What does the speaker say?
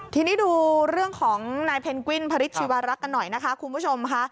ทีนี้ดูเรื่องของนายเพนกวินพระฤทธิวารักษ์กันหน่อยนะคะคุณผู้ชมค่ะ